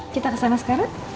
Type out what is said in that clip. kita kesana sekarang